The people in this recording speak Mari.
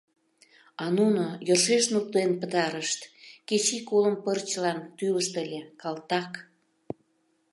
А нуно — йӧршеш нултен пытарышт, кеч ик олым пырчылан тӱлышт ыле, калтак!..